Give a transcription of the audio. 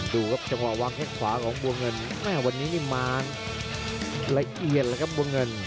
ดูครับจังหวะวางแข้งขวาของบัวเงินแม่วันนี้นี่มาละเอียดแล้วครับบัวเงิน